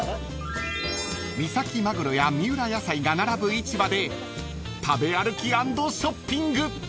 ［三崎マグロや三浦野菜が並ぶ市場で食べ歩き＆ショッピング］